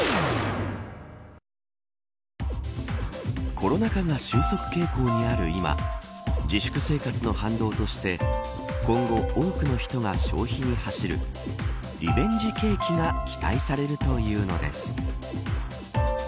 コロナ禍が収束傾向にある今自粛生活の反動として今後、多くの人が消費に走るリベンジ景気が期待されるというのです。